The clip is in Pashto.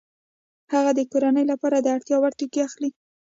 هغه د کورنۍ لپاره د اړتیا وړ توکي اخلي